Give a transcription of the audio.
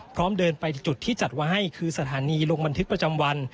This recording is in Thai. พร้อมเดินไปจุดที่จัดไว้ให้คือสถานีลงบันทึกประจำวัน